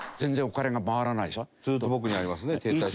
ずっと僕にありますね停滞して。